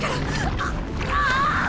あっああ！